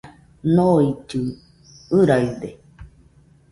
Noillɨɨ ɨraɨde